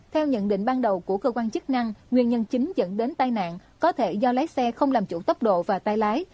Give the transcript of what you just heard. theo nhận định ban đầu của cơ quan chức năng nguyên nhân chính dẫn đến tai nạn có thể do lái xe không làm chủ tốc độ và tay lái